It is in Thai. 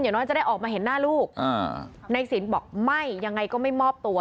น้อยจะได้ออกมาเห็นหน้าลูกในสินบอกไม่ยังไงก็ไม่มอบตัว